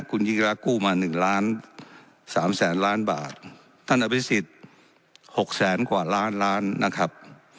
คุณยิ่งรักกู้มาหนึ่งล้านสามแสนล้านบาทท่านอภิษฎหกแสนกว่าล้านล้านนะครับ